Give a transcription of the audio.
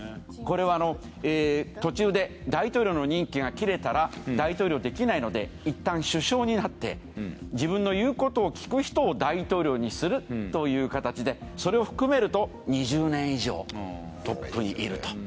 これは途中で大統領の任期が切れたら大統領できないのでいったん首相になって自分の言うことを聞く人を大統領にするというかたちでそれを含めると２０年以上トップにいると。